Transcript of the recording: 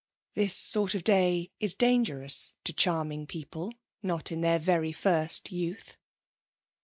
This sort of day is dangerous to charming people not in their very first youth.